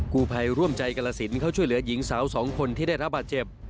กูภัยร่วมใจกรสินเข้าช่วยเหลือหญิงสาวสองคนที่ได้รับบาดเจ็บ